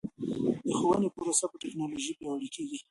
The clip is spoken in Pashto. د ښوونې پروسه په ټکنالوژۍ پیاوړې کیږي.